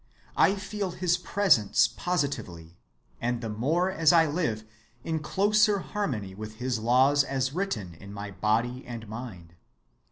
I feel his presence positively, and the more as I live in closer harmony with his laws as written in my body and mind.